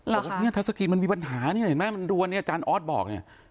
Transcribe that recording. บอกว่าเนี่ยทัศกรีนมันมีปัญหาเนี่ยเห็นไหมมันรัวเนี่ยอาจารย์ออสบอกเนี่ย